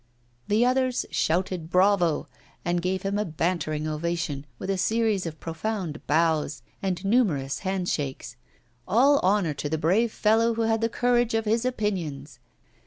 The others shouted bravo, and gave him a bantering ovation, with a series of profound bows and numerous handshakes. All honour to the brave fellow who had the courage of his opinions!